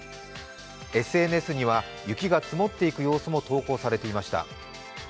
ＳＮＳには雪が積もっていく様子も投稿されていました。